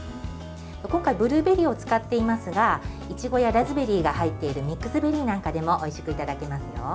今回、ブルーベリーを使っていますがイチゴやラズベリーが入っているミックスベリーなんかでもおいしくいただけますよ。